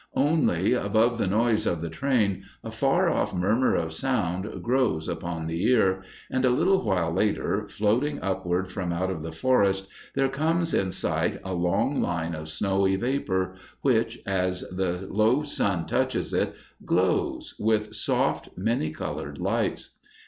Only, above the noise of the train, a far off murmur of sound grows upon the ear; and a little while later, floating upward from out the forest, there comes in sight a long line of snowy vapor, which, as the low sun touches it, glows with soft, many colored lights.